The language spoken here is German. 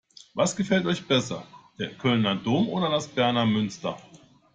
Was gefällt euch besser: Der Kölner Dom oder der Berner Münster?